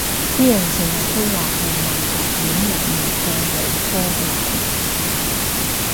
啲人成日都話係文學院入面最理科嘅系